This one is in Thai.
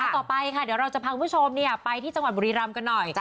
ต่อไปค่ะเดี๋ยวเราจะพาคุณผู้ชมไปที่จังหวัดบุรีรำกันหน่อย